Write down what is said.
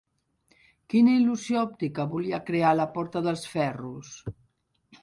Quina il·lusió òptica volia crear la Porta dels Ferros?